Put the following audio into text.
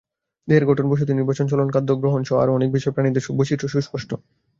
দেহের গঠন, বসতি নির্বাচন, চলন, খাদ্য গ্রহণসহ আরো অনেক বিষয়ে প্রাণীদের বৈচিত্র্য সুস্পষ্ট।